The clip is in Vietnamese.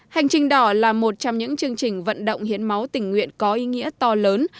hành trình đỏ là một trong những chương trình vận động hiến máu tình nguyện có ý nghĩa to lớn